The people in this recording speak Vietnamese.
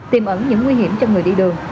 tìm ẩn những nguy hiểm cho người đi đường